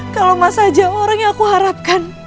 kalau mas saja orang yang aku harapkan